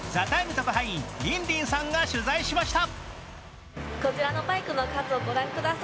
特派員リンリンさんが取材しました。